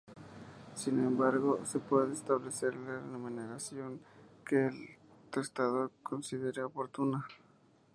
Sin embargo, se puede establecer la remuneración que el testador considere oportuna.